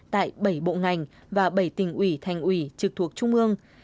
tại bảy bộ ngành và bảy tỉnh ủy thành ủy trực thuộc trung ương